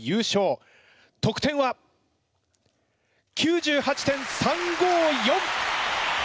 得点は。９８．３５４！